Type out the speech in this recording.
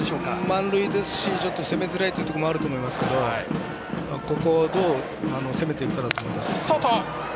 満塁ですし攻めづらいところもありますがここをどう攻めていくかだと思います。